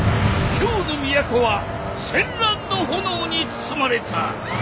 京の都は戦乱の炎に包まれた！